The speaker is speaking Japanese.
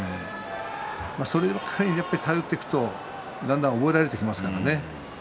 そればかり頼っていくとだんだん相手に覚えられてきます。